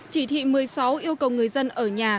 chỉ thị một mươi sáu yêu cầu người dân ở nhà